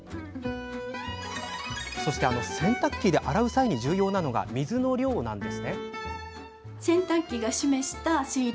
そして、洗濯機で洗う際に重要なのは水の量です。